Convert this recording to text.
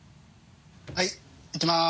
はいいきます。